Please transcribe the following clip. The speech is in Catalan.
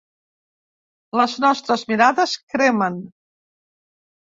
Les nostres mirades cremen.